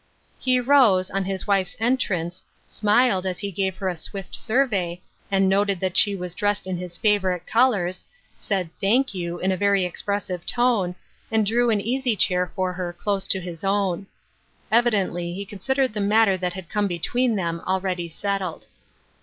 He arose, on his wife's entrance, smiled as he gave her a swift survey, and noted that she was dressed in his favorite colors, said "Thank you" 200 ON THE MOUNT AND IN THE VALLEY. in a very expressive tone, and drew an easy chair for her close to his own. Evidently, he considered the matter that had come between them, already settled.